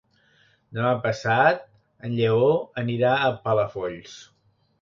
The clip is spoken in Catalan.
Demà passat en Lleó anirà a Palafolls.